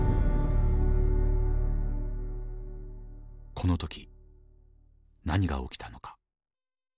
この時何が起きたのか。